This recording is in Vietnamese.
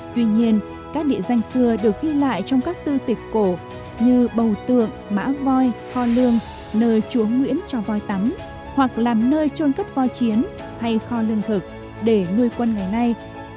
tuy nhiên các địa danh xưa được ghi lại trong các tư tiệc cổ như bầu tượng mã voi kho lương nơi chúa nguyễn cho voi tắm hoặc làm nơi trôn cất voi chiến hay kho lương thực để nuôi quân ngày nay